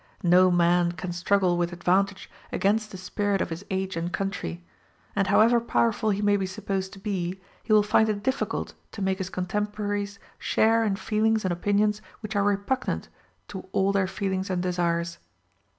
No man can struggle with advantage against the spirit of his age and country; and, however powerful he may be supposed to be, he will find it difficult to make his contemporaries share in feelings and opinions which are repugnant to t all their feelings and desires.